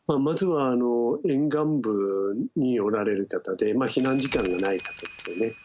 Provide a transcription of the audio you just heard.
まずは沿岸部におられる方で避難時間がない方ですね。